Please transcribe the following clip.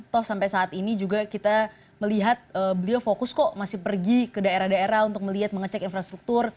toh sampai saat ini juga kita melihat beliau fokus kok masih pergi ke daerah daerah untuk melihat mengecek infrastruktur